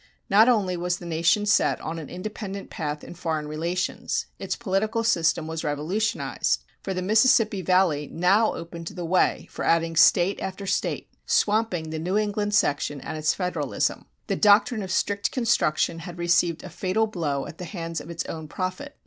Not only was the nation set on an independent path in foreign relations; its political system was revolutionized, for the Mississippi Valley now opened the way for adding State after State, swamping the New England section and its Federalism. The doctrine of strict construction had received a fatal blow at the hands of its own prophet.